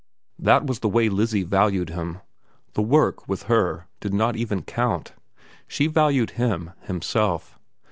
That was the way Lizzie valued him. The work, with her, did not even count. She valued him, himself.